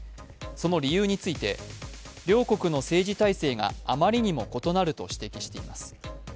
その理由について両国の政治体制があまりにも異なると指摘しています。